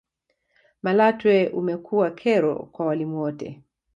malatwe umekuwa kero kwa walimu wote